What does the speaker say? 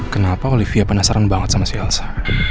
kenapa olivia penasaran banget sama si elsa